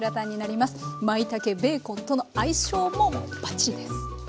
まいたけベーコンとの相性もバッチリです。